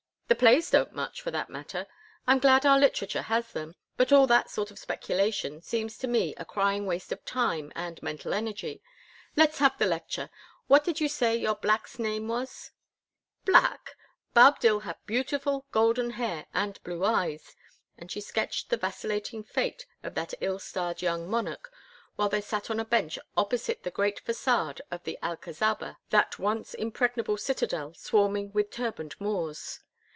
The plays don't much, for that matter. I'm glad our literature has them, but all that sort of speculation seems to me a crying waste of time and mental energy. Let's have the lecture. What did you say your black's name was?" "Black! Boabdil had beautiful golden hair and blue eyes." And she sketched the vacillating fate of that ill starred young monarch while they sat on a bench opposite the great façade of the Alcazaba, that once impregnable citadel swarming with turbaned Moors.